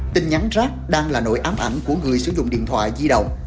tình nhắn rác đang là nỗi ám ảnh của người sử dụng điện thoại di động